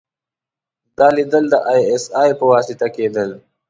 دا ليدل د ای اس ای په وساطت کېدل.